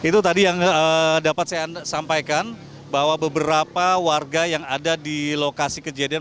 itu tadi yang dapat saya sampaikan bahwa beberapa warga yang ada di lokasi kejadian